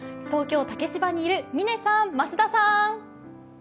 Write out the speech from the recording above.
東京・竹芝にいる嶺さん、増田さん。